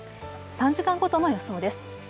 ３時間ごとの予想です。